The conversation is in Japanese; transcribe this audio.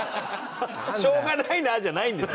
「しょうがないな」じゃないんですよね